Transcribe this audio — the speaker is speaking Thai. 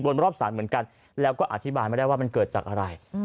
รอบศาลเหมือนกันแล้วก็อธิบายไม่ได้ว่ามันเกิดจากอะไร